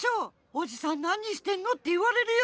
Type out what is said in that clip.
「おじさんなにしてんの？」っていわれるよ！